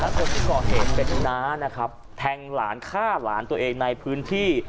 คนที่ก่อเหตุเป็นน้านะครับแทงหลานฆ่าหลานตัวเองในพื้นที่